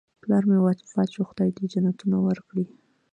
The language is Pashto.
پلار مې وفات شوی، خدای دې جنتونه ورکړي